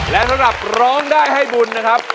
และสำหรับร้องได้ให้บุญนะครับ